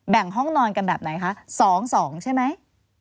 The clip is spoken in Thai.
งห้องนอนกันแบบไหนคะ๒๒ใช่ไหม